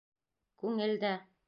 Күңел дә.